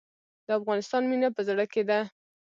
د افغانستان مینه په زړه کې ده